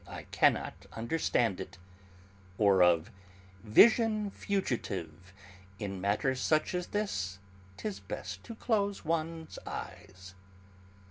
I cannot understand it; or of: Vision fugitive...; In matters such as this 'Tis best to close one's eyes.